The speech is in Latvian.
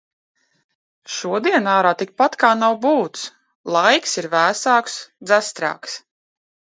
Šodien ārā tikpat kā nav būts. Laiks ir vēsāks, dzestrāks.